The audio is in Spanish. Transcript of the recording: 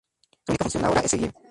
Su única función ahora es seguir.